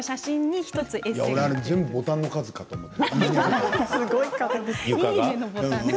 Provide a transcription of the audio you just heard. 全部ボタンの数だと思った。